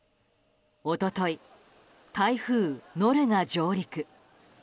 一昨日、台風ノルが上陸。